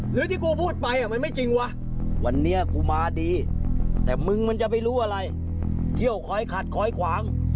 หรือที่กูพูดฟัยมันไม่จริงวะ